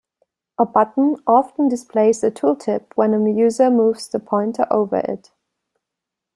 A button often displays a tooltip when a user moves the pointer over it.